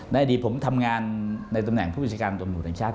ในจุดที่ผมทำงานในตำแหน่งพฤศกาลอมภาคมนิวในชาติ